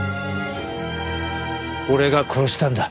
俺が殺したんだ